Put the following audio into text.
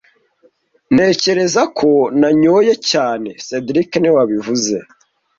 Ntekereza ko nanyoye cyane cedric niwe wabivuze